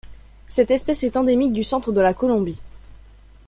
Cette espèce est endémique du centre de la Colombie.